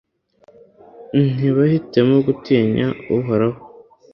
ntibahitemo gutinya uhoraho